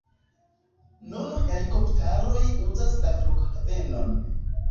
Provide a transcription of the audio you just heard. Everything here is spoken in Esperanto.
Nun helikopteroj uzas la flughavenon.